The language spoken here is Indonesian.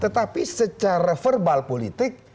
tetapi secara verbal politik